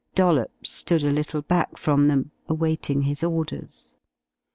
Dollops stood a little back from them, awaiting his orders.